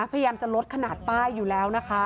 พยายามจะลดขนาดป้ายอยู่แล้วนะคะ